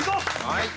はい！